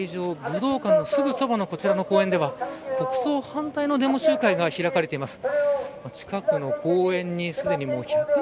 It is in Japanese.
武道館のすぐそばの公園では国葬反対のデモ集会が開かれています。